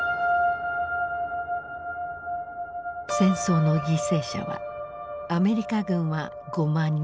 戦争の犠牲者はアメリカ軍は５万人。